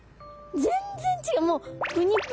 全然違う。